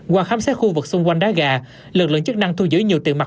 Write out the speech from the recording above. qua khám xét khu vực xung quanh đá gà lực lượng chức năng thu giữ nhiều tiền mặt